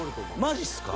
マジっすか？